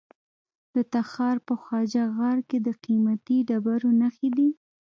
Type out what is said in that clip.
د تخار په خواجه غار کې د قیمتي ډبرو نښې دي.